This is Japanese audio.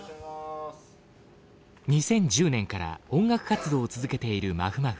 ２０１０年から音楽活動を続けているまふまふ。